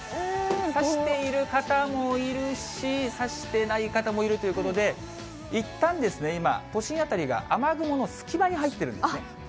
差している方もいるし、差してない方もいるということで、いったんですね、今、都心辺りが雨雲の隙間に入ってるんですね。